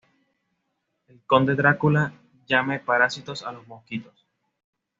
el Conde Drácula llame parásitos a los mosquitos